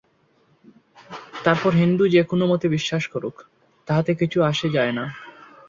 তারপর হিন্দু যে-কোন মতে বিশ্বাস করুক, তাহাতে কিছু আসে যায় না।